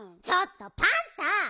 ちょっとパンタ！